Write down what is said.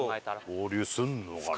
合流するのかな？